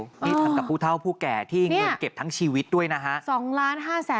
นี่ทำกับผู้เท่าผู้แก่ที่เงินเก็บทั้งชีวิตด้วยนะฮะ